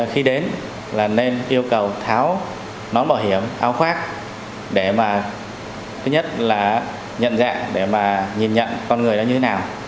khi đến là nên yêu cầu tháo nón bảo hiểm áo khoác để mà thứ nhất là nhận dạng để mà nhìn nhận con người là như thế nào